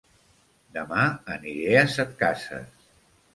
Dema aniré a Setcases